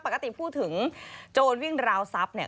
ปกติพูดถึงโจรวิ่งราวทรัพย์เนี่ย